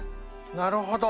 なるほど。